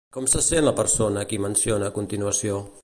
Com se sent la persona a qui menciona a continuació?